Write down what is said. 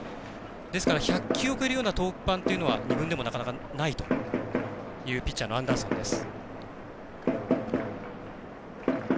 ですから１００球を超えるような登板というのは２軍でもなかなかないというピッチャーのアンダーソンです。